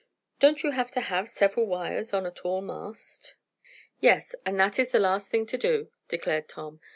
"Don't you have to have several wires on a tall mast?" "Yes, and that is the last thing to do," declared Tom.